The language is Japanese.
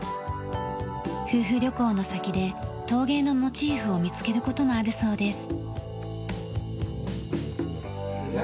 夫婦旅行の先で陶芸のモチーフを見つける事もあるそうです。